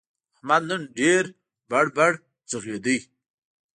احمد نن ډېر بړ بړ ږغېدل.